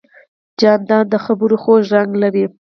جانداد د خبرو خوږ رنګ لري.